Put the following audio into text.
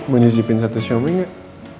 mau nyicipin satu siomel gak